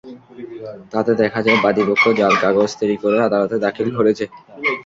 তাতে দেখা যায়, বাদীপক্ষ জাল কাগজ তৈরি করে আদালতে দাখিল করেছে।